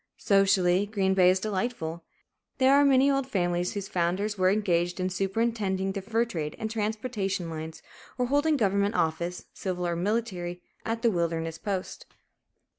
Socially, Green Bay is delightful. There are many old families, whose founders were engaged in superintending the fur trade and transportation lines, or holding government office, civil or military, at the wilderness post.